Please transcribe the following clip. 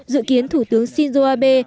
dự kiến thủ tướng shinzo abe